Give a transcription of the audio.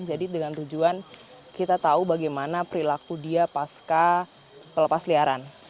jadi dengan tujuan kita tahu bagaimana perilaku dia pasca pelepasliaran